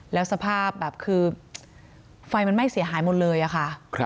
แล้วสภาพแบบคือไฟมันไหม้เสียหายหมดเลยอะค่ะ